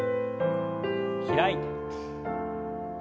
開いて。